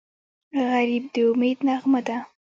غریب د امید نغمه ده